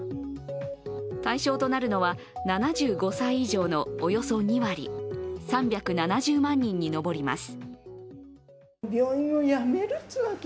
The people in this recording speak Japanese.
対象となるのは、７５歳以上のおよそ２割、３７０万人に上ります。